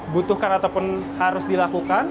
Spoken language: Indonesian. butuhkan ataupun harus dilakukan